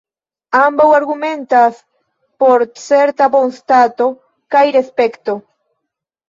Ambaŭ argumentas por certa bonstato kaj respekto.